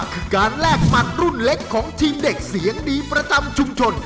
คือการแลกหมัดรุ่นเล็กของทีมเด็กเสียงดีประจำชุมชน